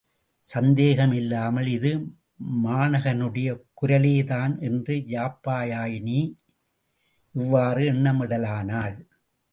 சந்தேகம் இல்லாமல் இது மாணகனுடைய குரலேதான் என்று யாப்பியாயினி இவ்வாறு எண்ணமிடலானாள்.